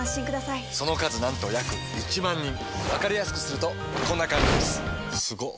その数なんと約１万人わかりやすくするとこんな感じすごっ！